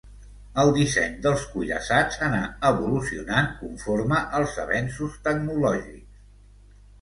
El disseny dels cuirassats anà evolucionant conforme els avenços tecnològics.